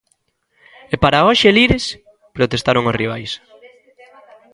_¿E para hoxe, Lires? _protestaron os rivais.